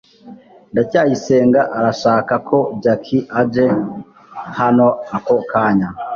ndacyayisenga arashaka ko jaki aje hano ako kanya